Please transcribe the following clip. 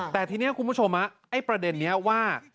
แต่ทีนี้คุณผู้ชมไอ้ประเด็นนี้ว่า